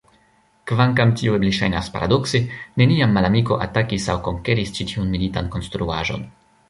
Kvankam tio eble ŝajnas paradokse, neniam malamiko atakis aŭ konkeris ĉi tiun militan konstruaĵon.